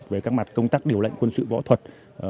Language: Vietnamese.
về các mặt công tác điều lệnh quân sự võ thuật